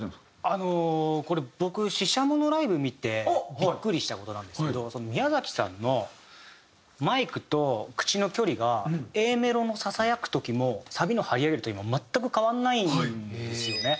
あのこれ僕ＳＨＩＳＨＡＭＯのライブ見てビックリした事なんですけど宮崎さんのマイクと口の距離がＡメロのささやく時もサビの張り上げる時も全く変わらないんですよね。